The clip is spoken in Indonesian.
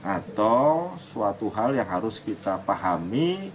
atau suatu hal yang harus kita pahami